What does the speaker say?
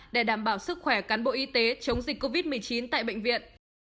để đảm bảo sức khỏe cán bộ y tế chống dịch covid một mươi chín tại bệnh viện